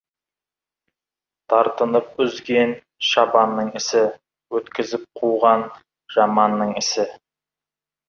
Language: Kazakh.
Тартынып үзген — шабанның ісі, өткізіп қуған — жаманның ісі.